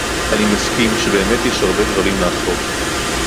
אני מסכים שבאמת יש הרבה דברים לאכוף